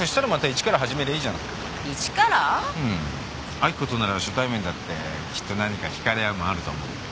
明子となら初対面だってきっと何か引かれ合うものあると思う。